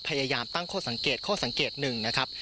พยายามตั้งข้อสังเกตข้อสังเกตหนึ่งนะครับ